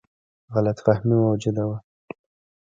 غلط فهمي موجوده وه.